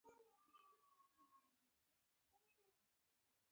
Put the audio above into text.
څاڅکي څاڅکي باران وریږي